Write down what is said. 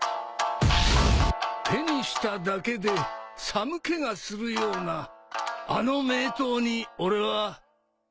手にしただけで寒気がするようなあの名刀に俺は。